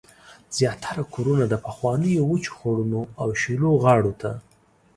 زیاتره کورونه د پخوانیو وچو خوړونو او شیلو غاړو ته